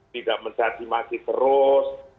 tidak mencatimaki terus